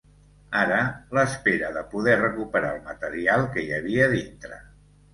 Ara l'espera de poder recuperar el material que hi havia dintre.